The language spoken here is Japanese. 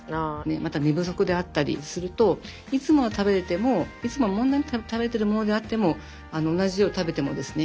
また寝不足であったりするといつもは食べれてもいつもは問題なく食べれてるものであっても同じよう食べてもですね